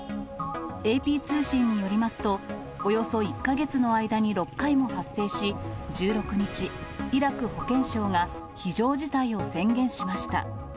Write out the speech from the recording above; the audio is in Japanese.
ＡＰ通信によりますと、およそ１か月の間に６回も発生し、１６日、イラク保健省が非常事態を宣言しました。